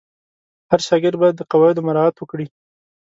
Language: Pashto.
هر شاګرد باید د قواعدو مراعت وکړي.